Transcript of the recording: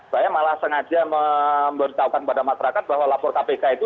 saya malah sengaja memberitahukan kepada masyarakat bahwa lapor kpk itu